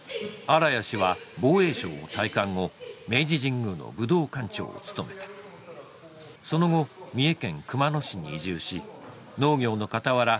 荒谷氏は防衛省を退官後明治神宮の武道館長を務めたその後三重県・熊野市に移住し農業のかたわら